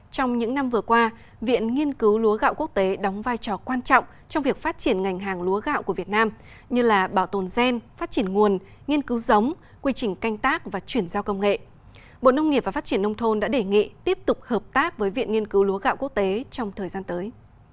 trong những năm vừa qua viện nghiên cứu lúa gạo quốc tế đóng vai trò quan trọng trong việc phát triển ngành hàng lúa gạo của việt nam như là bảo tồn gen phát triển nguồn nghiên cứu giống quy trình canh tác và chuyển giao công nghệ bộ nông nghiệp và phát triển nông thôn đã đề nghị tiếp tục hợp tác với viện nghiên cứu lúa gạo quốc tế trong thời gian tới